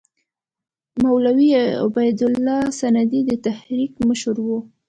مولوي عبیدالله سندي د تحریک مشر وو.